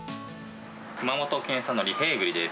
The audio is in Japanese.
熊本県産の利平栗です。